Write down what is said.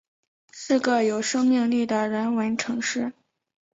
是个有生命力的人文城市